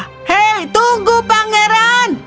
hei tunggu pangeran